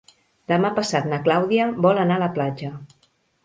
Demà passat na Clàudia vol anar a la platja.